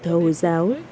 và thờ hồi giáo